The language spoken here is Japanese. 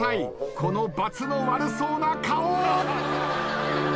このばつの悪そうな顔。